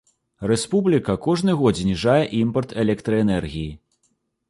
Рэспубліка кожны год зніжае імпарт электраэнергіі.